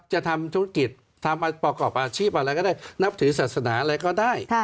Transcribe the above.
จะทำธุรกิจทำประกอบอาชีพอะไรก็ได้นับถือศาสนาอะไรก็ได้